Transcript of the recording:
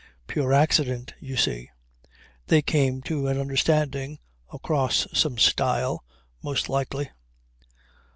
Pure accident, you see. They came to an understanding, across some stile, most likely.